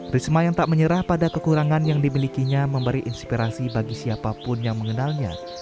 risma yang tak menyerah pada kekurangan yang dimilikinya memberi inspirasi bagi siapapun yang mengenalnya